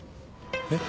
えっ？